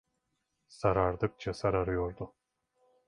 Sarardıkça sararıyordu.